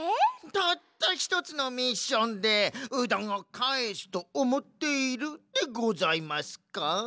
たったひとつのミッションでうどんをかえすとおもっているでございますか？